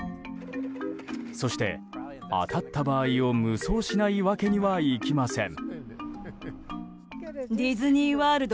そして、当たった場合を夢想しないわけにはいきません。